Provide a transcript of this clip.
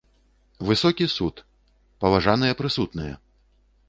Высокі суд, паважаныя прысутныя!